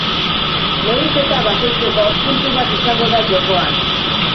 Neurketa bakoitzeko, puntu bat izango da jokoan.